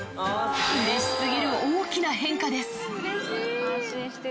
うれしすぎる大きな変化です。